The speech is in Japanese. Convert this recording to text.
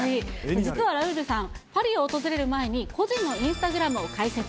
実はラウールさん、パリを訪れる前に、個人のインスタグラムを開設。